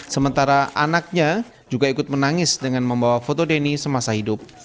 sementara anaknya juga ikut menangis dengan membawa foto deni semasa hidup